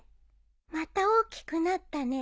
また大きくなったね」